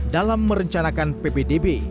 dalam merencanakan ppdb